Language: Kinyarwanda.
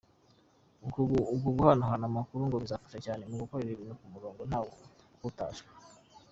Uko guhanahana amakuru ngo bizafasha cyane mu gukorera ibintu ku murongo ntawe uhutajwe.